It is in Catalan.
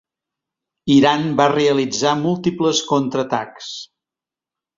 Iran va realitzar múltiples contraatacs.